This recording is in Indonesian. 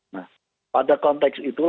nah pada konteks itu